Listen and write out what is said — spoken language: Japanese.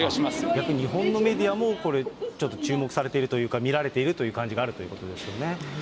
逆に、日本のメディアも、ちょっと注目されているというか、見られているという感じがあるということですよね。